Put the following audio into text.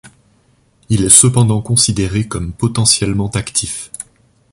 Il est cependant considéré comme potentiellement actif.